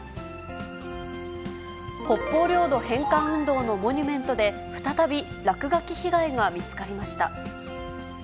北方領土返還運動のモニュメントで、再び落書き被害が見つかりました。